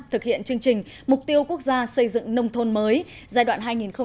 thực hiện chương trình mục tiêu quốc gia xây dựng nông thôn mới giai đoạn hai nghìn hai mươi một hai nghìn hai mươi